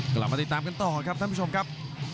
กลับมาติดตามกันต่อครับท่านผู้ชมครับ